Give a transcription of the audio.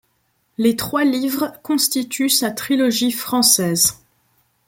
Les trois livres constituent sa trilogie française.